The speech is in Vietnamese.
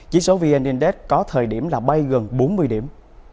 chỉ số vn index có thời điểm là bay gần bốn mươi điểm